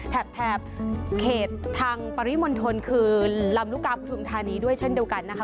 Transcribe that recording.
แถบเขตทางปริมณฑลคือลำลูกกาปฐุมธานีด้วยเช่นเดียวกันนะคะ